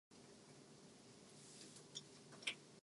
It is very often found in Biblical poetry and in proverbs in general.